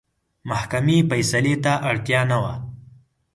محکمې فیصلې ته اړتیا نه وه.